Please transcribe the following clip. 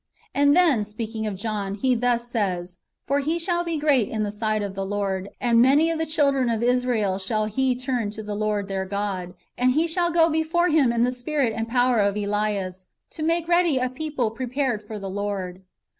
And then, speak ing of John, he thus says :" For he shall be great in the sight of the Lord, and many of the children of Israel shall he turn to the Lord their God. And he shall go before Him in the spirit and power of Elias, to make ready a people prepared for the Lord."